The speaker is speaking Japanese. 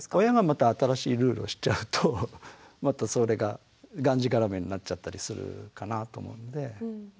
親がまた新しいルールをしちゃうとまたそれががんじがらめになっちゃったりするかなぁと思うんで。